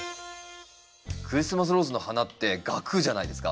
クリスマスローズの花って萼じゃないですか。